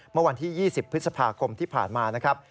เมื่อวันที่๒๐พฤษภาคมที่ผ่านมานะครับ